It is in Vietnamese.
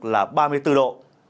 là ba mươi bốn độ